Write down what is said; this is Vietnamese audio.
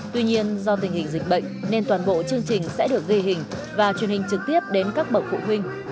tuy nhiên do tình hình dịch bệnh nên toàn bộ chương trình sẽ được ghi hình và truyền hình trực tiếp đến các bậc phụ huynh